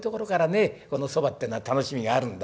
このそばっていうのは楽しみがあるんだ。